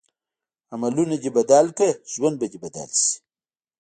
عملونه دې بدل کړه ژوند به دې بدل شي.